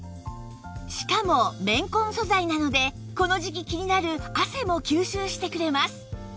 しかも綿混素材なのでこの時期気になる汗も吸収してくれます